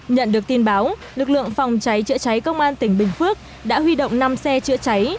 nhận được tin báo lực lượng phòng cháy chữa cháy công an tỉnh bình phước đã huy động năm xe chữa cháy